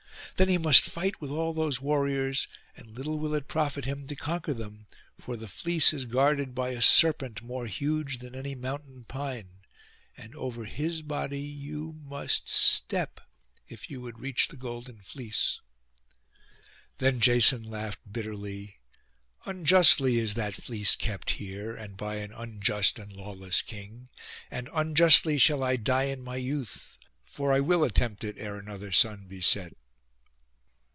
Then he must fight with all those warriors; and little will it profit him to conquer them, for the fleece is guarded by a serpent, more huge than any mountain pine; and over his body you must step if you would reach the golden fleece.' Then Jason laughed bitterly. 'Unjustly is that fleece kept here, and by an unjust and lawless king; and unjustly shall I die in my youth, for I will attempt it ere another sun be set.